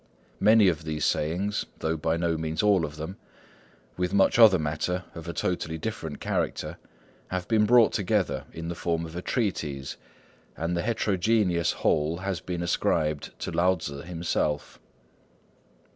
Many of these sayings, though by no means all of them, with much other matter of a totally different character, have been brought together in the form of a treatise, and the heterogeneous whole has been ascribed to Lao Tzŭ himself.